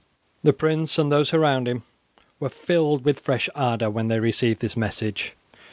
The prince and those around him were filled with fresh ardour when they received this message.